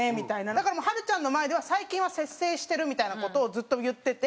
だからもうはるちゃんの前では「最近は節制してる」みたいな事をずっと言ってて。